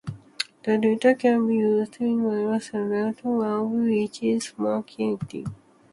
The data can be used in various scenarios, one of which is marketing.